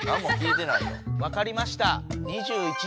わかりました。